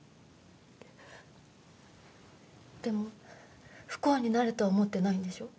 でも不幸になれとは思ってないんでしょ？